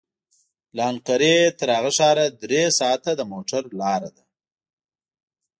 له انقره تر هغه ښاره درې ساعته د موټر لاره ده.